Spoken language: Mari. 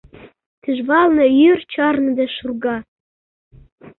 Тӱжвалне йӱр чарныде шурга.